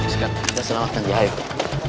sekarang kita selamatkan dia ayo